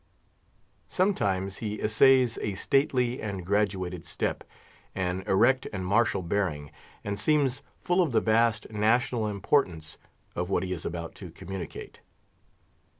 Sometimes he essays a stately and graduated step, an erect and martial bearing, and seems full of the vast national importance of what he is about to communicate.